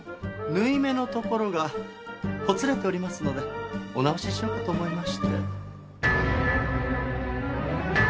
縫い目のところがほつれておりますのでお直ししようかと思いまして。